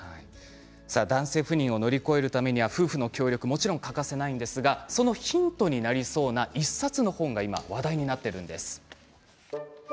男性不妊を乗り越えるためには夫婦の協力が欠かせないんですがそのヒントになりそうな１冊の本が今、話題になっています。